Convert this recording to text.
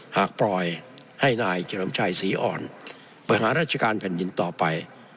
หากปล่อยให้นายเฉลิมชัยศรีอ่อนบริหารราชการแผ่นดินต่อไป